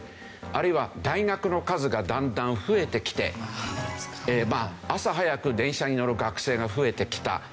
あるいは大学の数がだんだん増えてきて朝早く電車に乗る学生が増えてきた。